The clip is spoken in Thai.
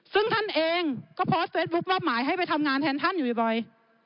ซึ่งท่านเองก็โพสต์เฟซบุ๊คมอบหมายให้ไปทำงานแทนท่านอยู่บ่อย